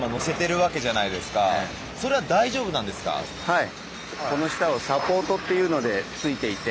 はい。